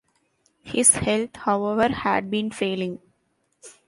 His health, however, had been failing.